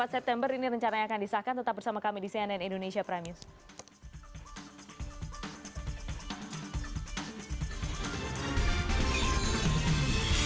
dua puluh empat september ini rencana yang akan disahkan tetap bersama kami di cnn indonesia prime news